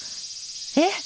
えっ！